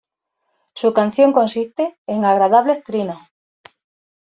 Su canción consiste en agradables trinos.